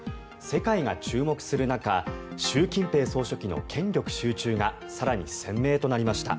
世界が注目する中習近平総書記の権力集中が更に鮮明となりました。